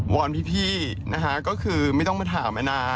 อนพี่นะคะก็คือไม่ต้องมาถามแอนนา